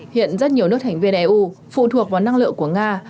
hiện rất nhiều nước thành viên eu phụ thuộc vào năng lượng của nga